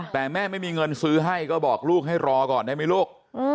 แต่แม่ไม่มีเงินซื้อให้ก็บอกลูกให้รอก่อนได้ไหมลูก